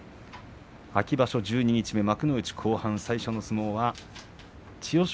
秋場所十二日目幕内後半戦、最初の取組は千代翔